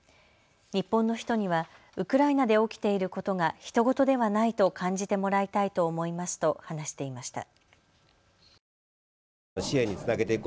日本の人にはウクライナで起きていることがひと事ではないと感じてもらいたいと思いますと話していました。